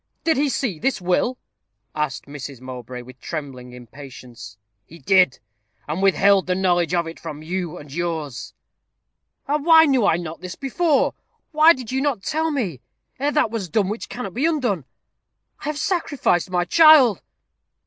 did he see this will," asked Mrs. Mowbray, with trembling impatience. "He did; and withheld the knowledge of it from you and yours." "Ah! why knew I not this before? Why did you not tell me ere that was done which cannot be undone? I have sacrificed my child."